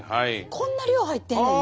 こんな量入ってんねんね。